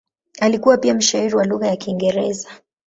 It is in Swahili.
Alikuwa pia mshairi wa lugha ya Kiingereza.